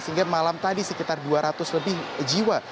sehingga malam tadi sekitar dua ratus lebih jiwa